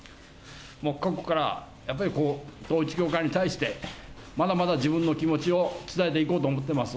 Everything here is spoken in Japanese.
ここから統一教会に対して、まだまだ自分の気持ちをつたえていこうとおもっています。